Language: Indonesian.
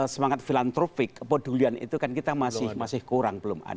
semangat filantropik podulian itu kan kita masih kurang belum ada